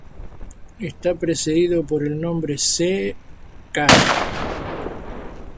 Está precedido por el nombre Se...kara.